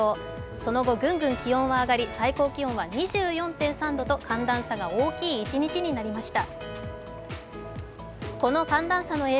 その後ぐんぐん気温が上がり、最高気温は２４．３度と寒暖差が大きい一日となりました。